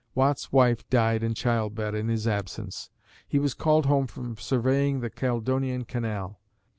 Watt's wife died in childbed in his absence. He was called home from surveying the Caledonian Canal.